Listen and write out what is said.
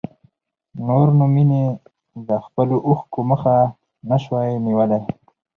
نور نو مينې د خپلو اوښکو مخه نه شوای نيولی.